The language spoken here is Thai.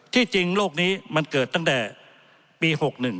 ที่จริงโลกนี้มันเกิดตั้งแต่ปี๖๑